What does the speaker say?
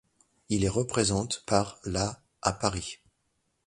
Il est représente par la à Paris.